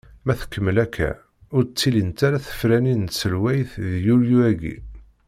Ma tkemmel akka, ur d-ttilint ara tefranin n tselweyt di yulyu-agi.